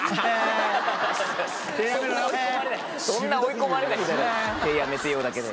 そんな追い込まれないだろ「手やめてよ」だけで。